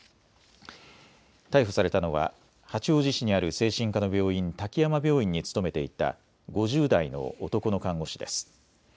逮捕されたのは八王子市にある精神科の病院、滝山病院に勤めていた５０代の男の看護師です。